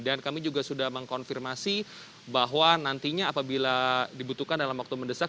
dan kami juga sudah mengkonfirmasi bahwa nantinya apabila dibutuhkan dalam waktu mendesak